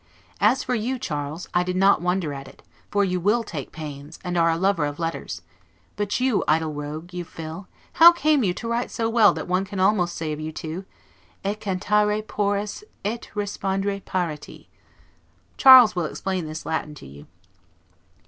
As for you Charles, I did not wonder at it; for you will take pains, and are a lover of letters; but you, idle rogue, you Phil, how came you to write so well that one can almost say of you two, 'et cantare pores et respondre parati'! Charles will explain this Latin to you.